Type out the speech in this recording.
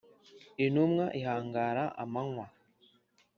Intumwa ihangara amanywa